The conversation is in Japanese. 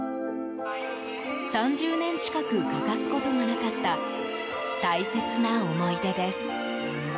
３０年近く欠かすことがなかった大切な思い出です。